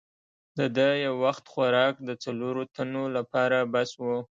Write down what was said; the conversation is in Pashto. د ده یو وخت خوراک د څلورو تنو لپاره بس وو.